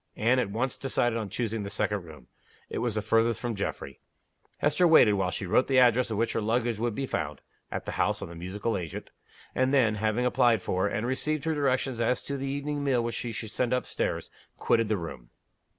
Anne at once decided on choosing the second room; it was the farthest from Geoffrey. Hester waited while she wrote the address at which her luggage would be found (at the house of the musical agent), and then, having applied for, and received her directions as to the evening meal which she should send up stairs, quitted the room.